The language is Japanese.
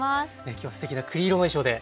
今日はすてきな栗色の衣装で。